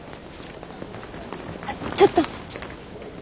ちょっと。